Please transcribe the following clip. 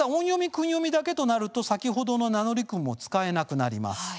訓読みだけとなると先ほどの名乗り訓も使えなくなります。